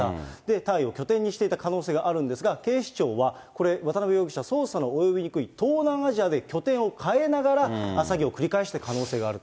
タイを拠点にしていた可能性があるんですが、警視庁はこれ、渡辺容疑者、捜査の及びにくい東南アジアで拠点を変えながら、詐欺を繰り返していた可能性があると。